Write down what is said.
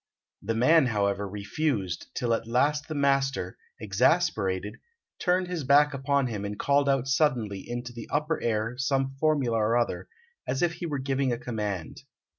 The man, however, refused, till at last the master, exasperated, turned his back upon him and called out suddenly into the upper air some formula or other, as if he were giving a command.